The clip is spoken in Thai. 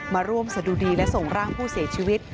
มาร่วมสะดุดีและส่งร่างผู้เสียชีวิต